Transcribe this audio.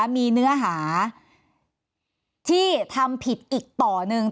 มีเนื้อหาที่ทำผิดอีกต่อหนึ่ง